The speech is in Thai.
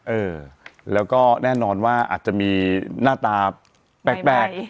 เออแล้วก็แน่นอนว่าอาจจะมีหน้าตาแปลก